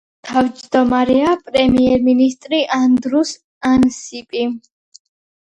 პარტიის თავმჯდომარეა პრემიერ-მინისტრი ანდრუს ანსიპი.